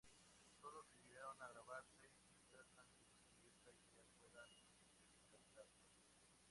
Sólo se llegaron a grabar seis pistas antes de que esta idea fuera descartada.